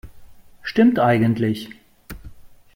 Stimmt eigentlich.